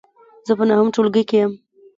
زه په نهم ټولګې کې یم .